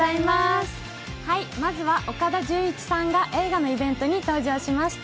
まずは岡田准一さんが映画のイベントに登場しました。